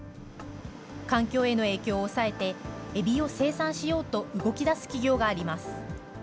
環境への影響を抑えて、エビを生産しようと動き出す企業があります。